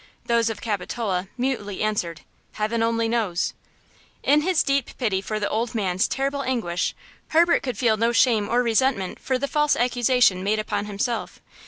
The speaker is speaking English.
Those of Capitola mutely answered: "Heaven only knows!" In his deep pity for the old man's terrible anguish, Herbert could feel no shame or resentment for the false accusation made upon himself.